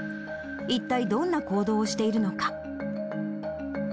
一体どんな行動をしているのか。